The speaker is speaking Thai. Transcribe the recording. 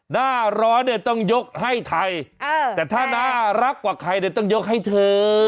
หน้าร้อนเนี่ยต้องยกให้ไทยแต่ถ้าน่ารักกว่าใครเนี่ยต้องยกให้เธอ